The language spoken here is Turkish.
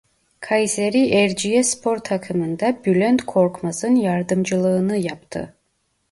Kayseri Erciyesspor takımında Bülent Korkmaz'ın yardımcılığını yaptı.